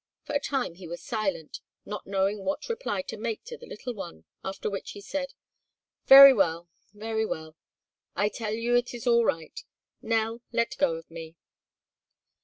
For a time he was silent, not knowing what reply to make to the little one, after which he said: "Very well! very well! I tell you it is all right! Nell, let go of me!"